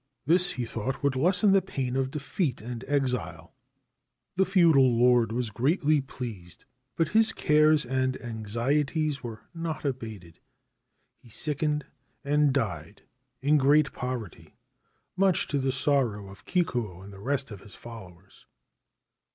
This, he thought, would lessen the pain of defeat and exile. 287 Ancient Tales and Folklore of Japan The feudal lord was greatly pleased ; but his cares and anxieties were not abated. He sickened and died in great poverty, much to the sorrow of Kikuo and the rest of his followers.